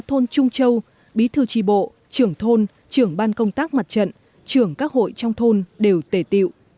thôn trung châu bí thư tri bộ trưởng thôn trưởng ban công tác mặt trận trưởng các hội trong thôn đều tề tiệu